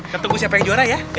nanti gue siapain juara ya